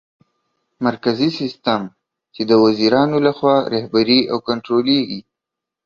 مرکزي سیستم : چي د وزیرانو لخوا رهبري او کنټرولېږي